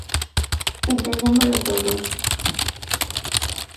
Entendémolo todos.